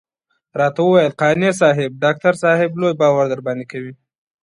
راته وويل قانع صاحب ډاکټر صاحب لوی باور درباندې کوي.